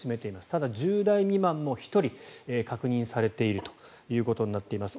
ただ、１０代未満も１人確認されているということになっています。